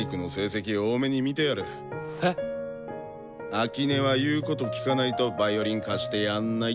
秋音は言うこと聞かないとヴァイオリン貸してやんない。